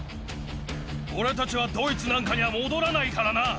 俺たちはドイツなんかには戻らないからな！